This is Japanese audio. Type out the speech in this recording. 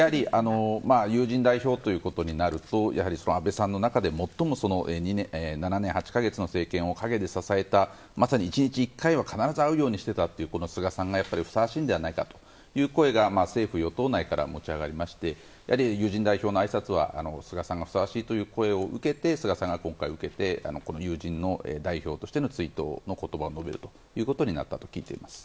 友人代表ということになるとやはり安倍さんの中で最も７年８か月の政権を陰で支えた、まさに１日１回は必ず会うようにしていたという菅さんがふさわしいのではないかという声が政府・与党内から持ち上がりまして友人代表のあいさつは菅さんがふさわしいという声を受けて菅さんが今回受けて友人代表としての追悼の言葉を述べるということになったと聞いています。